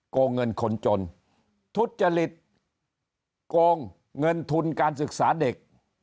งเงินคนจนทุจจริตโกงเงินทุนการศึกษาเด็ก